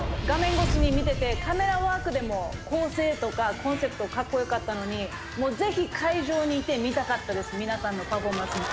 画面越しに見てて、カメラワークでも構成とか、コンセプト、かっこよかったのに、もうぜひ、会場にいて、見たかったです、皆さんのパフォーマンス。